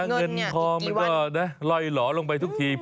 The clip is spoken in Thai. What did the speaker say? เงินเนี่ยอีกกี่วันมันก็ล่อยหล่อลงไปทุกที